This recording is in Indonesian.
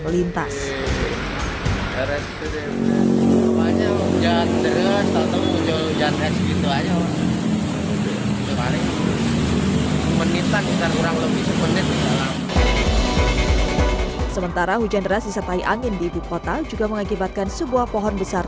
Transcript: berpintas sementara hujan deras disertai angin di ibukota juga mengakibatkan sebuah pohon besar